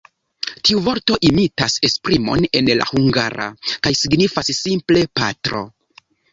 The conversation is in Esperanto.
Tiu vorto imitas esprimon en la hungara, kaj signifas simple “patro”.